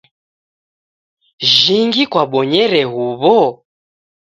Jhingi kwabonyere huw'o?